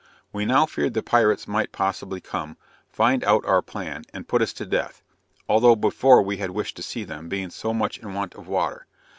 We now feared the pirates might possibly come, find out our plan and put us to death, (although before we had wished to see them, being so much in want of water.)